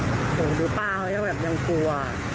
โอ้โฮดูเปล่าเขาแบบยังกลัว